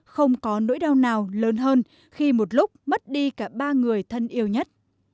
không có nỗi đau nào lớn hơn khi một lúc mất đi cả ba người thân yêu nhất